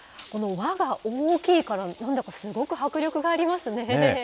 この輪が大きいから、何だかすごく迫力がありますね。